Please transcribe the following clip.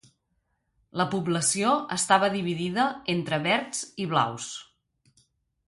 La població estava dividida entre verds i blaus.